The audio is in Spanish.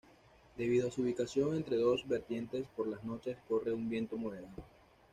Debido a su ubicación entre dos vertientes por las noches corre un viento moderado.